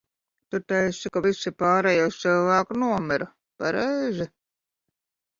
Tu teici, ka visi pārējie cilvēki nomira, pareizi?